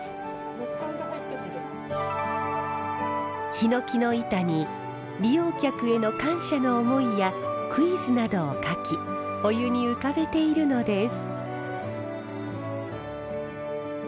ひのきの板に利用客への感謝の思いやクイズなどを書きお湯に浮かべているのです。